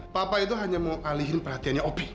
papa itu hanya mau alihin perhatiannya opi